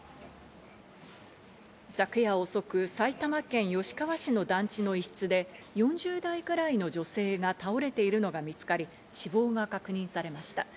昨夜遅く、埼玉県吉川市の団地の一室で、４０代くらいの女性が倒れているのが見つかり、死亡が確認されました。